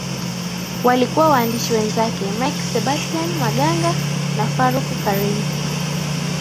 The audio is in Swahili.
Walikuwa waandishi wenzake Mike Sebastian Maganga na Farouq Karim